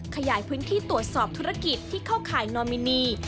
ขยายพื้นที่ตรวจสอบธุรกิจที่เข้าข่ายนอมินี